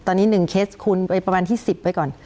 ตอนนี้๑เคสคุณไปประมาณที่๑๐ไว้ก่อน